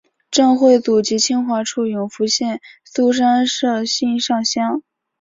郑橞祖籍清华处永福县槊山社忭上乡。